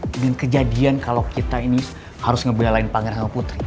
dan kejadian kalau kita ini harus ngebelalain pangeran sama putri